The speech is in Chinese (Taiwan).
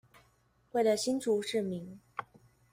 為了新竹市民